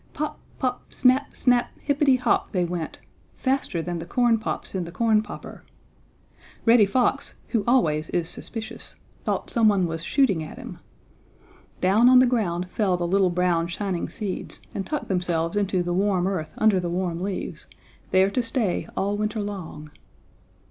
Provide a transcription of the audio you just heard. Pop! pop! snap! snap! hippetty hop! they went, faster than the corn pops in the corn popper. Reddy Fox, who always is suspicious, thought some one was shooting at him. Down on the ground fell the little brown shining seeds and tucked themselves into the warm earth under the warm leaves, there to stay all winter long.